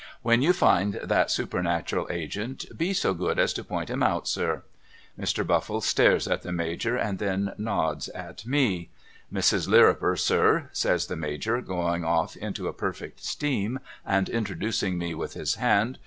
When you find that supernatural agent, be so good as point him out sir.' Mr. BufiHe stares at the Major and then nods at me. ' Mrs. Lirriper sir' says the Major going off into a perfect steam and introducing me with his hand.